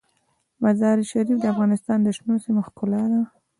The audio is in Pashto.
مزارشریف د افغانستان د شنو سیمو ښکلا ده.